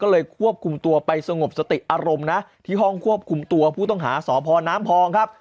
ก็เลยควบคุมตัวไปสงบสติอารมณ์นะที่ห้องควบคุมตัวผู้ต้องหาสพน้ำพองครับ